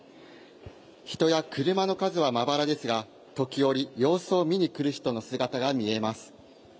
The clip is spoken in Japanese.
人や車の数はまばらですが、時折、様子を見に来る人の姿が見えます。